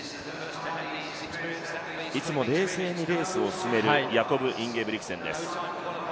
いつも冷静にレースを進めるヤコブ・インゲブリクセンです。